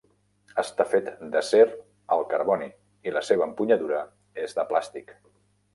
Està fet d'acer al carboni i la seva empunyadura és de plàstic.